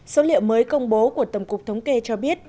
số liệu mới công bố của tổng cục thống kê cho biết